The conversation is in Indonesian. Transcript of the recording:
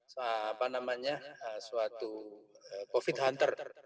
suatu covid hunter